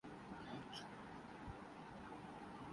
دانت انگور کھانے سے ہلتے تھے